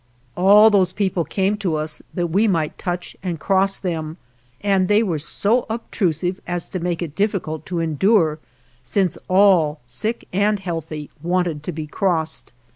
All those people came to us that we might touch and cross them ; and they were so ob trusive as to make it difficult to endure since all, sick and healthy, wanted to be crossed.